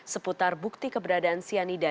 seputar bukti keberadaan cyanida